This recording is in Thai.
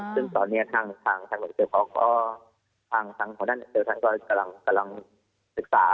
ซึ่งตอนนี้ทางเวรเตอร์ก็กำลังศึกษา